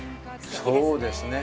そうですね。